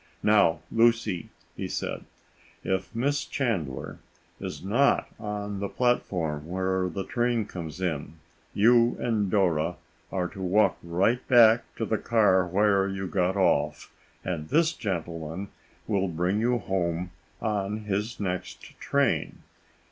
"Now, Lucy," he said, "if Miss Chandler is not on the platform where the train comes in, you and Dora are to walk right back to the car where you got off, and this gentleman will bring you home on his next train."